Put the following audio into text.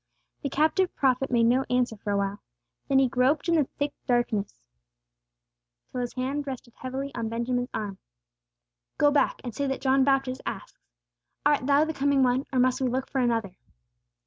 The captive prophet made no answer for awhile. Then he groped in the thick darkness till his hand rested heavily on Benjamin's arm. "Go back, and say that John Baptist asks, 'Art Thou the Coming One, or must we look for another?'"